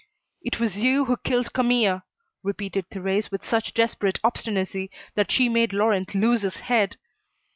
"It was you who killed Camille," repeated Thérèse with such desperate obstinacy that she made Laurent lose his head.